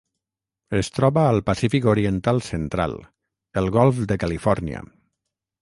Es troba al Pacífic oriental central: el Golf de Califòrnia.